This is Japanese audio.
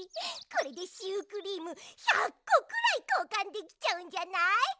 これでシュークリーム１００こくらいこうかんできちゃうんじゃない？